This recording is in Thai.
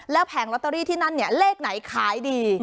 แล้วแผงลอตเตอรี่ที่นั่นเนี่ยเลขไหนขายดี